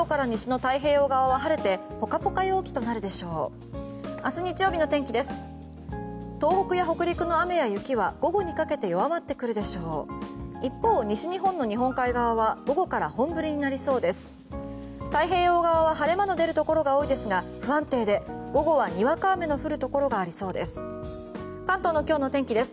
太平洋側は晴れ間の出るところが多いですが不安定で午後はにわか雨の降るところがありそうです。